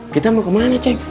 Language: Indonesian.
kita mau kemana ceng